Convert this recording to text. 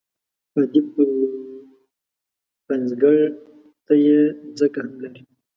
ادیب او پنځګر ته یې ځکه هم لري.